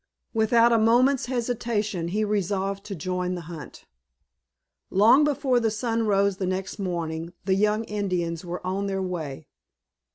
Without a moment's hesitation he resolved to join the hunt. Long before the sun rose the next morning the young Indians were on their way.